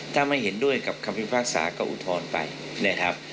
ถ้าไม่เห็นด้วยกับคำพิพากษาก็อุทธรณ์ไปนะครับ